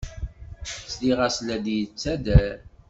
Sliɣ-as la d-yettader.